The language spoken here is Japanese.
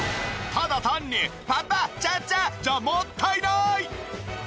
ただ単にパパッチャッチャじゃもったいなーい！